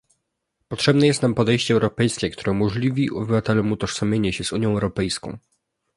Potrzebne jest nam podejście europejskie, które umożliwi obywatelom utożsamianie się z Unią Europejską